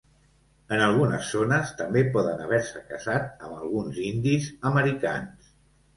En algunes zones també poden haver-se casat amb alguns indis americans.